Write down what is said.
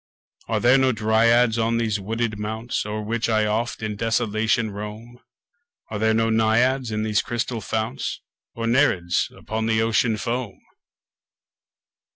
Are there no Dryads on these wooded mounts O'er which I oft in desolation roam? Are there no Naiads in these crystal founts? Nor Nereids upon the Ocean foam?